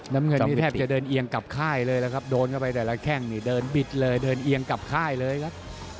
น้ำเงินนี่แทบจะเดินเอียงกลับค่ายเลยแล้วครับโดนเข้าไปแต่ละแข้งนี่เดินบิดเลยเดินเอียงกลับค่ายเลยครับ